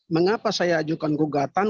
mengapa saya ajukan gugatan